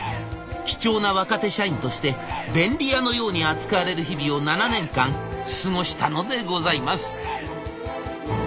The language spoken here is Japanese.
貴重な若手社員として便利屋のように扱われる日々を７年間過ごしたのでございます。